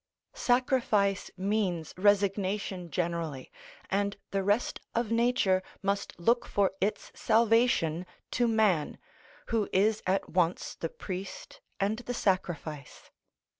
Sacrifice means resignation generally, and the rest of nature must look for its salvation to man who is at once the priest and the sacrifice.